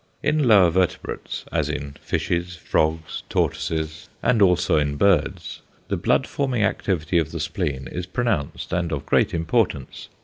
In lower vertebrates, as in fishes, frogs, tortoises, and also in birds, the blood forming activity of the spleen is pronounced and of great importance.